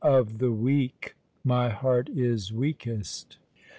*'0F THE WEAK MY HEAET IS WEAKEST."